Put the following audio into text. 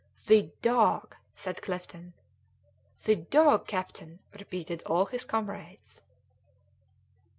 "The dog!" said Clifton. "The dog, captain!" repeated all his comrades.